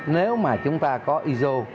nếu mà chúng ta có iso